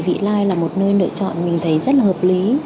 vị lai là một nơi lựa chọn mình thấy rất là hợp lý